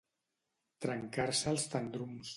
Trencar-se els tendrums.